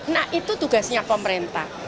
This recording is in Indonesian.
nah itu tugasnya pemerintah